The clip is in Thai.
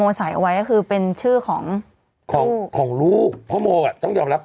โม่ใส่ไว้ก็คือเป็นชื่อของลูกของลูกพ่อโม่อ่ะต้องยอมรับ